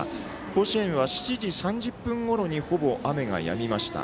甲子園は７時３０分ごろにほぼ雨がやみました。